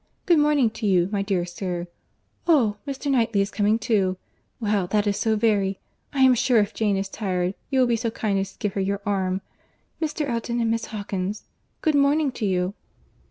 Good morning to you, my dear sir. Oh! Mr. Knightley is coming too. Well, that is so very!—I am sure if Jane is tired, you will be so kind as to give her your arm.—Mr. Elton, and Miss Hawkins!—Good morning to you."